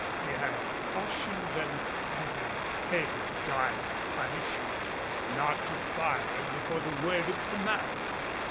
He had cautioned them under pain of dire punishment not to fire before the word of command.